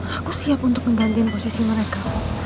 aku siap untuk mengganti posisi mereka